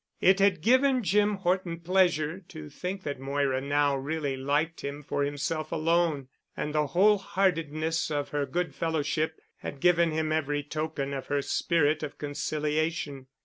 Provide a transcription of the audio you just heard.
It had given Jim Horton pleasure to think that Moira now really liked him for himself alone, and the whole heartedness of her good fellowship had given him every token of her spirit of conciliation.